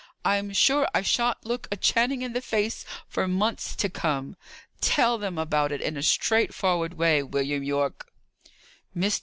I'm sure I shan't look a Channing in the face for months to come! Tell them about it in a straightforward way, William Yorke." Mr.